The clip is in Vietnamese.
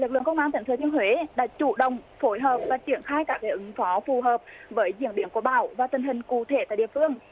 lực lượng công an tỉnh thừa thiên huế đã chủ động phối hợp và triển khai các ứng phó phù hợp với diễn biến của bão và tình hình cụ thể tại địa phương